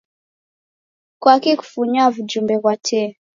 Kwaki kufunyaa w'ujumbe ghwa tee?